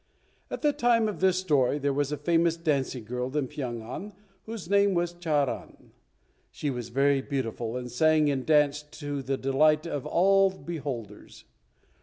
At the time of this story there was a famous dancing girl in Pyong an whose name was Charan. She was very beautiful, and sang and danced to the delight of all beholders.